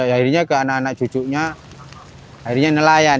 akhirnya ke anak anak cucunya akhirnya nelayan